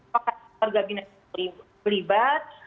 pakat pergabinan berlibat